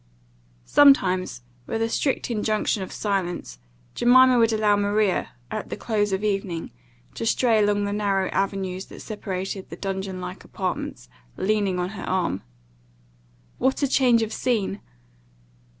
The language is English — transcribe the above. Sometimes, with a strict injunction of silence, Jemima would allow Maria, at the close of evening, to stray along the narrow avenues that separated the dungeon like apartments, leaning on her arm. What a change of scene!